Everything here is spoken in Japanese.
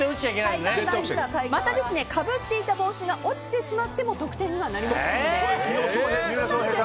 また、かぶっていた帽子が落ちてしまっても得点にはなりませんので。